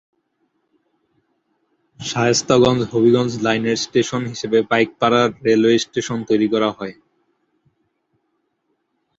শায়েস্তাগঞ্জ -হবিগঞ্জ লাইনের স্টেশন হিসেবে Paikpara railway station তৈরি করা হয়ে।